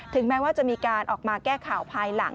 แม้ว่าจะมีการออกมาแก้ข่าวภายหลัง